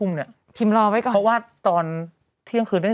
เบรกจริงเนอะ